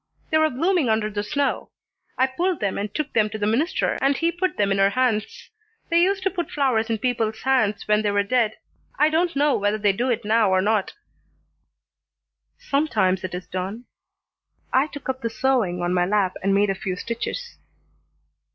They were blooming under the snow. I pulled them and took them to the minister, and he put them in her hands. They used to put flowers in people's hands when they were dead. I don't know whether they do it now or not." "Sometimes it is done." I took up the sewing an my lap and made a few stitches.